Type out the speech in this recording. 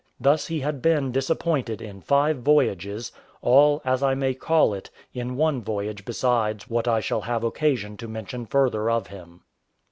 Thus he had been disappointed in five voyages; all, as I may call it, in one voyage, besides what I shall have occasion to mention further of him.